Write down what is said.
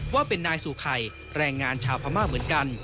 ว่าเป็นนายสู่ไข่แรงงานชาวพม่าเหมือนกัน